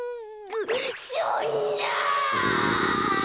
そんな！